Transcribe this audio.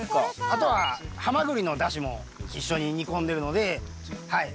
あとはハマグリの出汁も一緒に煮込んでるのではい。